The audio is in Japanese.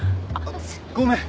ごめん！